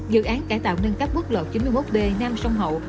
dự án cải tạo nâng cấp quốc lộ chín mươi một d nam sông hậu